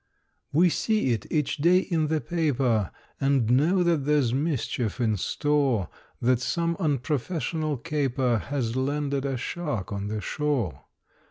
We see it each day in the paper, And know that there's mischief in store; That some unprofessional caper Has landed a shark on the shore.